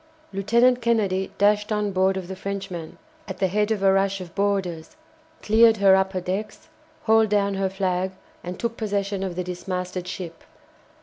Lieutenant Kennedy dashed on board of the Frenchman, at the head of a rush of boarders, cleared her upper decks, hauled down her flag, and took possession of the dismasted ship.